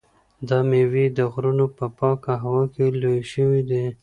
دا مېوې د غرونو په پاکه هوا کې لویې شوي دي.